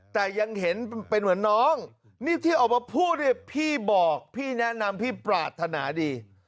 แต่ยังเห็นเป็นเหมือนน้องนี่ที่ออกมาพูดเนี่ยพี่บอกพี่แนะนำพี่ปรารถนาดี